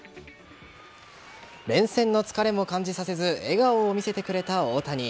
連戦の疲れも感じさせず笑顔を見せてくれた大谷。